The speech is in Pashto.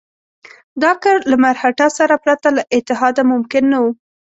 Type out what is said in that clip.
دا کار له مرهټه سره پرته له اتحاد ممکن نه وو.